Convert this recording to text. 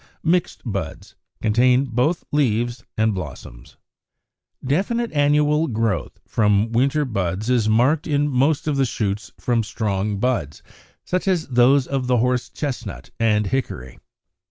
Mixed buds, contain both leaves and blossoms. 61. =Definite annual Growth= from winter buds is marked in most of the shoots from strong buds, such as those of the Horse chestnut and Hickory (Fig.